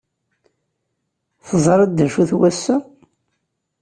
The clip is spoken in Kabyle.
Teẓriḍ d acu-t wass-a?